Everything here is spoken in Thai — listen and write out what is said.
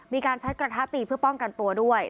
มีการใช้กระทะตีเพื่อป้องกันตัวด้วย